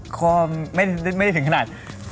คอไม่ได้ถึงขนาด